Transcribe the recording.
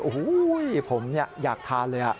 โอ้โหผมอยากทานเลย